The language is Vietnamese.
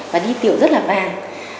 và đi tiểu rất là vàng